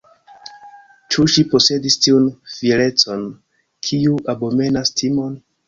Ĉu ŝi posedis tiun fierecon, kiu abomenas timon?